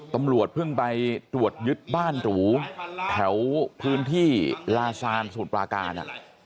ตำรวจเพิ่งไปรวดยึดบ้านตั๋วแถวพื้นที่ลาชานสุตรกรากาศ